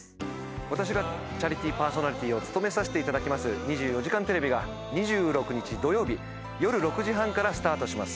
私がチャリティーパーソナリティーを務めさせていただきます『２４時間テレビ』が２６日土曜日夜６時半からスタートします。